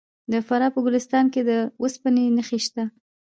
د فراه په ګلستان کې د وسپنې نښې شته.